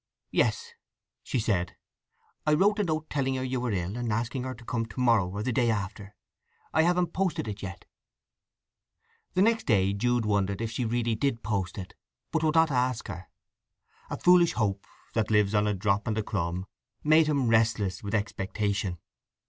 "Yes," she said; "I wrote a note telling her you were ill, and asking her to come to morrow or the day after. I haven't posted it yet." The next day Jude wondered if she really did post it, but would not ask her; and foolish Hope, that lives on a drop and a crumb, made him restless with expectation.